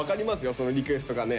そのリクエストがね。